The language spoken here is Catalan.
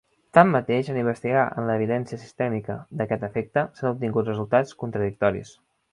Tanmateix, en investigar en l'evidència sistèmica d'aquest efecte s'han obtingut resultats contradictoris.